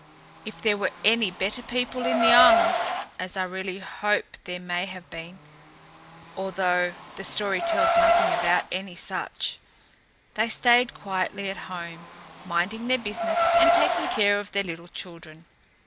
If there were any better people in the island (as I really hope there may have been, although the story tells nothing about any such), they stayed quietly at home, minding their business and taking care of their little children.